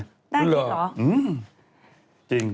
น่าคิดเหรอ